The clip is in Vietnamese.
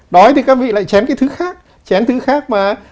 đói thì các vị lại chén cái thứ khác